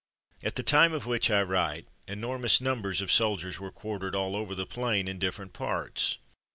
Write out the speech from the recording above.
At the time of which I write, enormous numbers of soldiers were quartered all over the plain, in different parts.